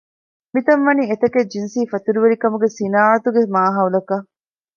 މިތަން ވަނީ އެތަކެއް ޖިންސީ ފަތުރުވެރިކަމުގެ ޞިނާޢަތުގެ މާހައުލަކަށް